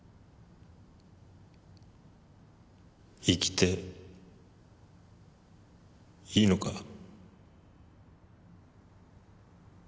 生きていいのか？